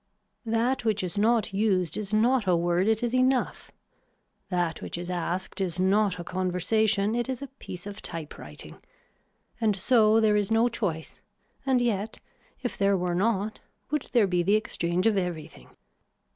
That which is not used is not a word it is enough. That which is asked is not a conversation, it is a piece of typewriting. And so there is no choice and yet if there were not would there be the exchange of everything.